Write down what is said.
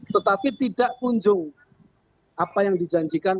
tetapi tidak kunjung apa yang dijanjikan